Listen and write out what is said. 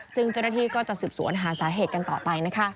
ซึ่งเจ้าหน้าที่ก็จะสืบสวนหาสาเหตุกันต่อไปนะคะ